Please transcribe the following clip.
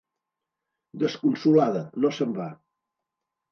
Desconsolada, no se'n va.